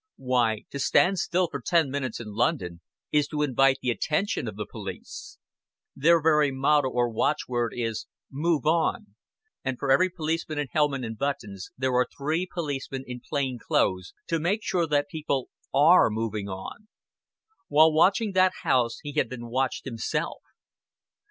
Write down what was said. Why, to stand still for ten minutes in London is to invite the attention of the police. Their very motto or watchword is "Move on;" and for every policeman in helmet and buttons there are three policemen in plain clothes to make sure that people are moving on. While watching that house he had been watched himself.